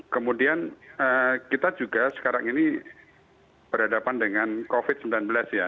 kemudian kita juga sekarang ini berhadapan dengan covid sembilan belas ya